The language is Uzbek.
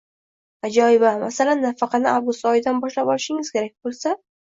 Ajoyib-a? Masalan, nafaqani avgust oyidan boshlab olishingiz kerak bo‘lsa